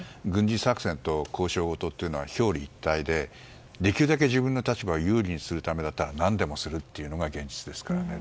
軍事作戦と交渉ごとは表裏一体でできるだけ自分の立場を有利にするためだったら何でもするというのが現実ですから。